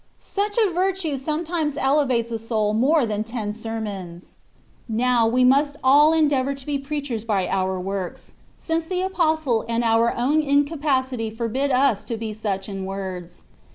Such a virtue sometimes elevates a soul more than ten sermons. Now, we must all endeavour to be preachers by our works, since the Apostle and our own incapa city forbid us to be such in words.